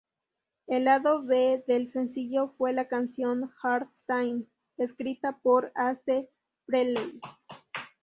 El lado B del sencillo fue la canción "Hard Times", escrita por Ace Frehley.